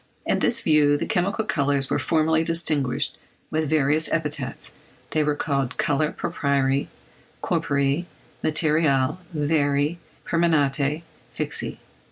In this view the chemical colours were formerly distinguished with various epithets; they were called colores proprii, corporei, materiales, veri, permanentes, fixi.